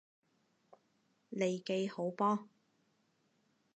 利記好波！